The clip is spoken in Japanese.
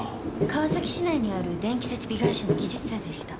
川崎市内にある電気設備会社の技術者でした。